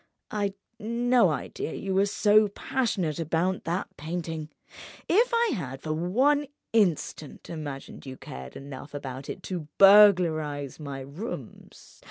I'd no idea you were so passionate about that painting. If I had for one instant imagined you cared enough about it to burglarize my rooms